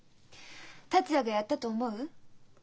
達也がやったと思う？